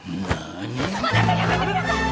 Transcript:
あなたやめてください！